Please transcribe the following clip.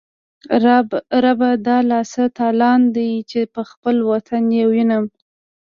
ربه دا لا څه تالان دی، چی به خپل وطن یې وینم